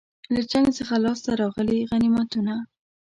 له جنګ څخه لاسته راغلي غنیمتونه.